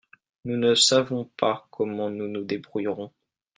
Nous ne savons pas comment nous nous débrouillerons.